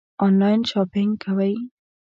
آنلاین شاپنګ کوئ؟